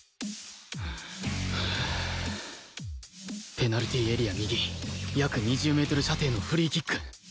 ペナルティーエリア右約２０メートル射程のフリーキック